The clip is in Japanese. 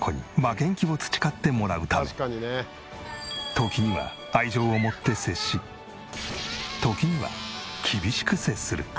時には愛情を持って接し時には厳しく接する。